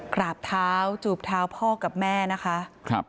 กราบเท้าจูบเท้าพ่อกับแม่นะคะ